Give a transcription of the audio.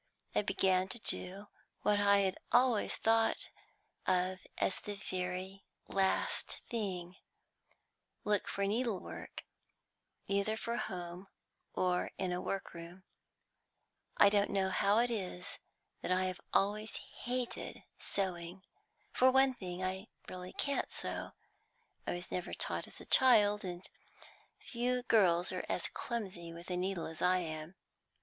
I began to do what I had always thought of as the very last thing, look for needlework, either for home or in a workroom. I don't know how it is that I have always hated sewing. For one thing, I really can't sew. I was never taught as a child, and few girls are as clumsy with a needle as I am.